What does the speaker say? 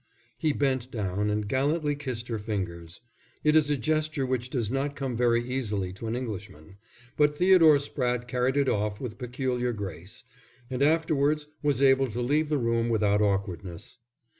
He bent down and gallantly kissed her fingers. It is a gesture which does not come very easily to an Englishman, but Theodore Spratte carried it off with peculiar grace, and afterwards was able to leave the room without awkwardness.